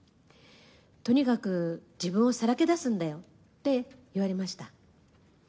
とにかく自分をさらけ出すんだよって言われました。